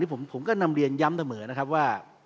ผมก็นำเรียนย้ำเสมอนะครับว่า